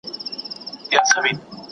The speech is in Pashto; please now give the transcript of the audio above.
¬ کارگه د زرکي تگ کاوه، خپل دا ئې هېر سو.